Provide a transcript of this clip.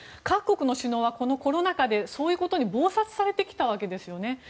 各国の首脳はコロナ禍でそういうことに忙殺されてきたわけですよね。